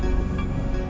tidak ada yang bisa dikira